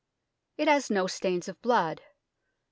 It has no stains of blood.